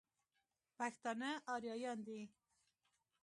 پښتانه اريايان دي.